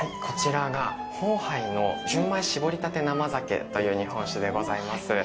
こちらが、豊盃の純米しぼりたて生酒という日本酒でございます。